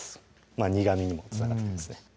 苦みにもつながってきますね